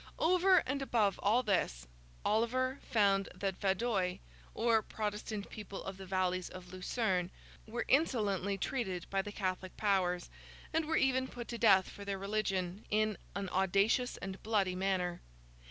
Over and above all this, Oliver found that the Vaudois, or Protestant people of the valleys of Lucerne, were insolently treated by the Catholic powers, and were even put to death for their religion, in an audacious and bloody manner.